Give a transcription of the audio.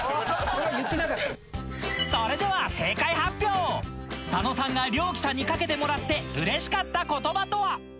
それでは正解発表佐野さんがＲＹＯＫＩさんに掛けてもらってうれしかった言葉とは？